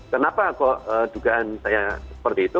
kenapa kok dugaan saya seperti itu